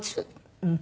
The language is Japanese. うん。